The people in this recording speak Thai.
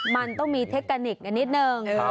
มันต้องมีเทคโนคหน่อยนิดนึง